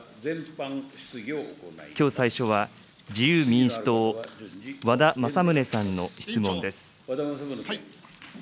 きょう最初は自由民主党、和田政宗さんの質問です。